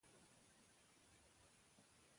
ماشومان به پوښتنې وکړي.